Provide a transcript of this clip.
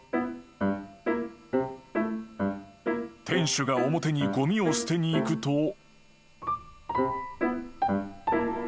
［店主が表にごみを捨てに行くと］